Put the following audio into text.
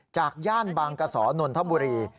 ย่านบางกระสอนนทบุรี